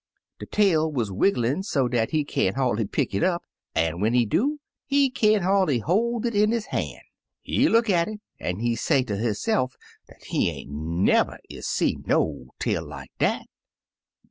De tail wuz wigglin* so dat he can't hardly pick it up, an* when he do, he can*t hardly hoi* it in his han*. He look at it, an* he say ter hisse*f dat he ain*t never is see no tail like dat.